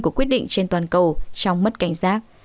của quyết định trên toàn cầu trong mất cảnh giác